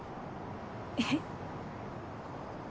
えっ？